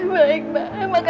baik mbak makasih ya mbak